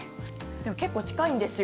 でも結構近いんですよ。